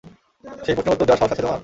সেই প্রশ্নের উত্তর দেওয়ার সাহস আছে তোমার?